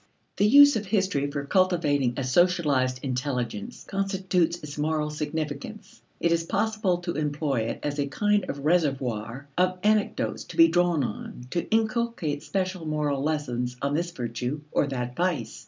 The use of history for cultivating a socialized intelligence constitutes its moral significance. It is possible to employ it as a kind of reservoir of anecdotes to be drawn on to inculcate special moral lessons on this virtue or that vice.